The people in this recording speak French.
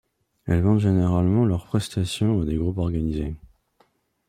Elles vendent généralement leurs prestations à des groupes organisés.